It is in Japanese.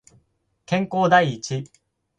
健康第一